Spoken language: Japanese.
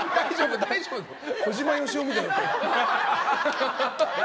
小島よしおみたいに言って。